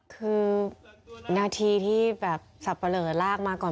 คือนาทีที่แบบสับปะเหลอลากมาก่อน